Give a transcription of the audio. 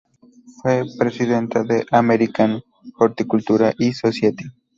Fue presidenta de la American Horticultural Society.